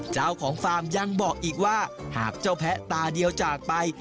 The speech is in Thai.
เจ้าของฟาร์มยังบอกอีกว่าหากเจ้าแพะตาเดียวจากไป